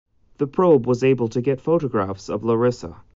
The probe was able to get photographs of Larissa.